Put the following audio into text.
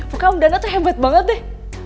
pokoknya om dana tuh hebat banget deh